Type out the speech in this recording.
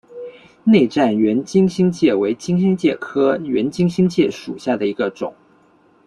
内战圆金星介为金星介科圆金星介属下的一个种。